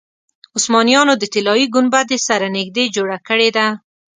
عثمانیانو د طلایي ګنبدې سره نږدې جوړه کړې ده.